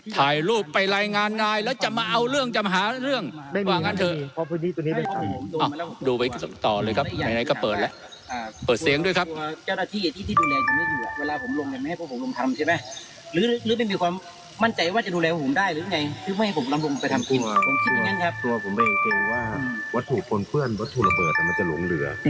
ถ่ายรูปไปรายงานนายแล้วจะมาเอาเรื่องจะมาหาเรื่อง